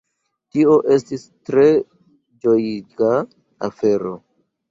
Tio estis tre ĝojiga afero.